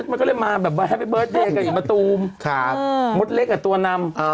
มันก็เลยมาแบบว่าแฮปปี้เบิร์ตเดย์กับมะตูมมดเล็กกับตัวนำ